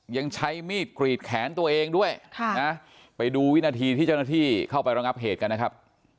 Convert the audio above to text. ยังใช้มีดกรีดแขนตัวเองด้วยไปดูวินาทีที่เจ้าหน้าที่เข้าไประงับเหตุกันนะครับ